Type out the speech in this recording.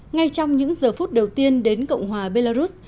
ngay trong những giờ phút đầu tiên đến cộng hòa belarus